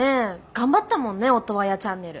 頑張ったもんねオトワヤチャンネル。